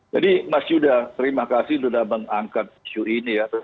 jadi mas yuda terima kasih sudah mengangkat isu ini ya